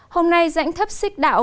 hôm nay rãnh thấp xích đạo